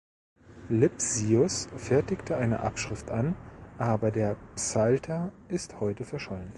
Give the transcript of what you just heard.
Lipsius fertigte eine Abschrift an, aber der Psalter ist heute verschollen.